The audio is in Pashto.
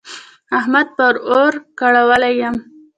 احمد پر اور کړولی يم.